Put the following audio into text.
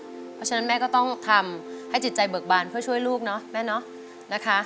เพราะฉะนั้นแม่ก็ต้องทำให้จิตใจเบิกบานเพื่อช่วยลูกเนาะแม่เนาะนะคะ